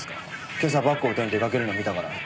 今朝バッグを手に出かけるの見たから。